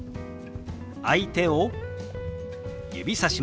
相手を指さします。